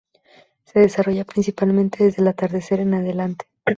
Se desarrolla principalmente desde el atardecer en adelante.